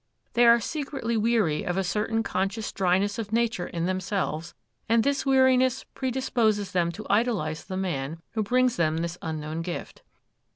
They are secretly weary of a certain conscious dryness of nature in themselves, and this weariness predisposes them to idolize the man who brings them this unknown gift.